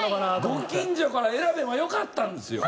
ご近所から選べばよかったんですよ！